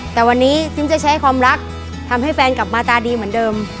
แต่วันนี้ซิมจะใช้ความรักทำให้แฟนกลับมาตาดีเหมือนเดิม